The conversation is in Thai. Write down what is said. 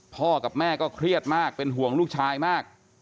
พ่อกับแม่ก็เครียดมากเป็นห่วงลูกชายมาก